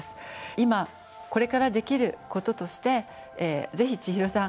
今これからできることとしてぜひちひろさん